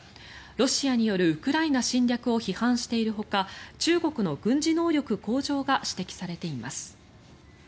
ロシアによるウクライナ侵略を批判しているほか中国の軍事能力向上が指摘されています。